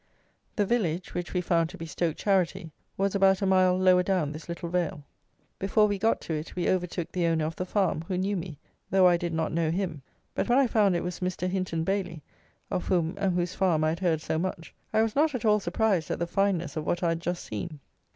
The village, which we found to be Stoke Charity, was about a mile lower down this little vale. Before we got to it, we overtook the owner of the farm, who knew me, though I did not know him; but when I found it was Mr. Hinton Bailey, of whom and whose farm I had heard so much, I was not at all surprised at the fineness of what I had just seen.